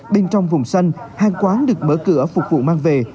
bên trong vùng xanh hàng quán được mở cửa phục vụ mang về